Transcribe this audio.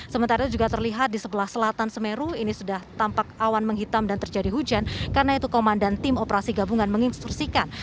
sementara juga terlihat di sebelah selatan semeru ini sudah tampak awan menghitam dan terjadi hujan karena itu komandan tim operasi gabungan menginstruksikan